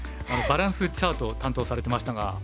あのバランスチャート担当されてましたが。